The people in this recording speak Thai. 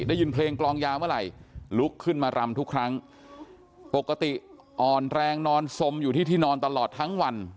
ได้ยินเพลงกลองยาวเมื่อไหร่ลุกขึ้นมารำทุกครั้งปกติอ่อนแรงนอนสมอยู่ที่ที่นอนตลอดทั้งวัน